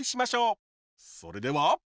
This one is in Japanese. それでは。